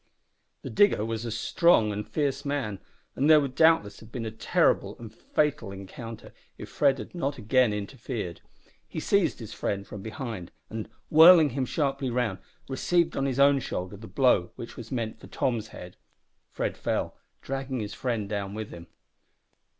The digger was a strong and fierce man, and there would doubtless have been a terrible and fatal encounter if Fred had not again interfered. He seized his friend from behind, and, whirling him sharply round, received on his own shoulder the blow which was meant for Tom's head. Fred fell, dragging his friend down with him.